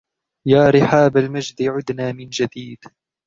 يا رحاب المجد عدنا من جديد